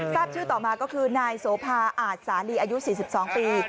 ทราบชื่อต่อมาก็คือนายโสภาอาจสาลีอายุ๔๒ปี